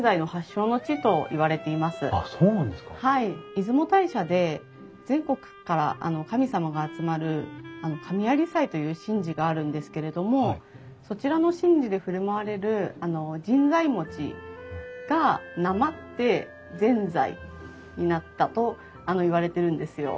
出雲大社で全国から神様が集まる神在祭という神事があるんですけれどもそちらの神事で振る舞われる神在餅がなまってぜんざいになったといわれてるんですよ。